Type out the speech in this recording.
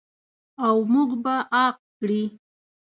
او موږ به عاق کړي.